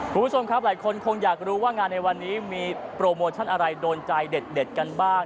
คุณผู้ชมครับหลายคนคงอยากรู้ว่างานในวันนี้มีโปรโมชั่นอะไรโดนใจเด็ดกันบ้าง